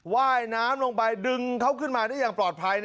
ว่ายน้ำลงไปดึงเขาขึ้นมาได้อย่างปลอดภัย